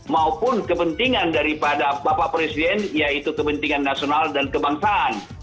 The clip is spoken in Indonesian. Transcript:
maupun kepentingan daripada bapak presiden yaitu kepentingan nasional dan kebangsaan